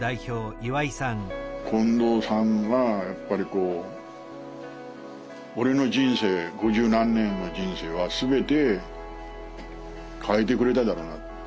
近藤さんがやっぱりこう俺の人生五十何年の人生は全て変えてくれた。